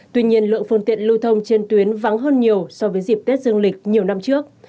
tuy nhiên lượng phương tiện lưu thông trên tuyến vắng hơn nhiều so với dịp tết dương lịch nhiều năm trước